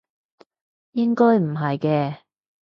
應該唔係嘅